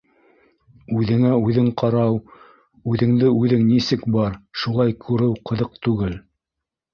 Үҙеңә-үҙең ҡарау, үҙеңде-үҙең нисек бар, шулай күреү ҡыҙыҡ түгел...